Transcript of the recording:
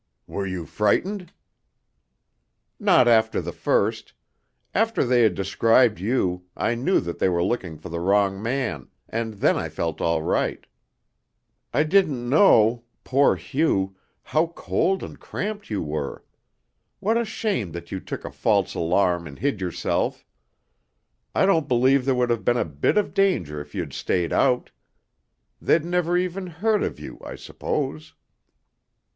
"Were you frightened?" "Not after the first. After they had described you, I knew that they were looking for the wrong man, and then I felt all right. I didn't know poor Hugh! how cold and cramped you were. What a shame that you took a false alarm and hid yourself! I don't believe there would have been a bit of danger if you'd stayed out. They'd never even heard of you, I suppose."